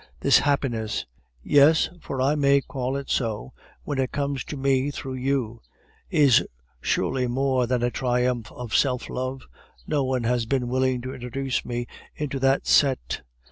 This happiness yes, for I may call it so, when it comes to me through you is surely more than a triumph for self love? No one has been willing to introduce me into that set.